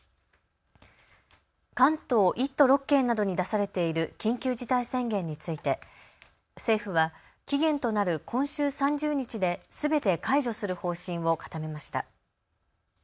関東１都６県などに出されている緊急事態宣言について政府は期限となる今週３０日ですべて解除する方針を固めました。